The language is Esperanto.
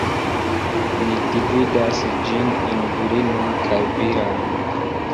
Ni dividas ĝin en virinan kaj viran.